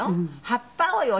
葉っぱをよ